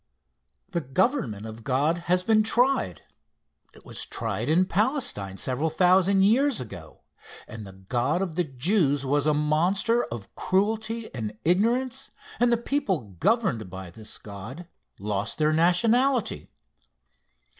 The government of God has been tried. It was tried in Palestine several thousand years ago, and the God of the Jews was a monster of cruelty and ignorance, and the people governed by this God lost their nationality.